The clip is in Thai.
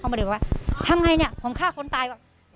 เขามาเดินไปว่าทำไมเนี่ยผมฆ่าคนตาย